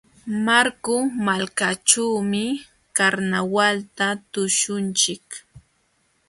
Marku malkaćhuumi karnawalta tuśhunchik.